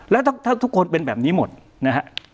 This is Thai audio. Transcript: แล้วถ้าทุกคนเป็นแบบนี้หมดนะฮะ